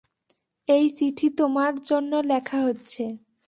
এই চিঠি তোমার জন্য লেখা হচ্ছে।